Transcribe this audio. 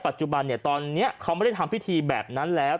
ปัจจุบันตอนนี้เขาไม่ได้ทำพิธีแบบนั้นแล้ว